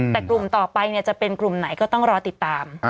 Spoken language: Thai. แต่กลุ่มต่อไปจะเป็นกลุ่มไหนก็ต้องรอติดตาม